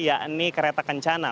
ya ini kereta kencana